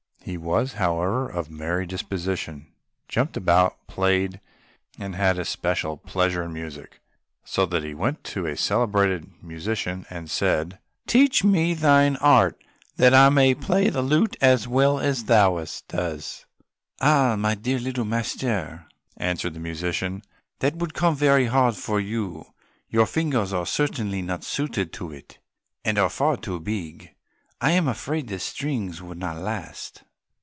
He was, however, of a merry disposition, jumped about, played and had especial pleasure in music, so that he went to a celebrated musician and said, "Teach me thine art, that I may play the lute as well as thou dost." "Ah, dear little master," answered the musician, "that would come very hard to you, your fingers are certainly not suited to it, and are far too big. I am afraid the strings would not last."